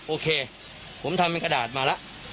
โอเคผมทำเป็นกระดาษมาแล้ว